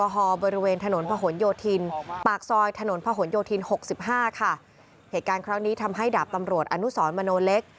เหตุการณ์ครั้งนี้ทำให้ดาบตำรวจอนุสมโนเล็ก